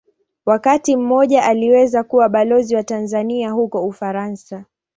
Wakati mmoja aliweza kuwa Balozi wa Tanzania huko Ufaransa.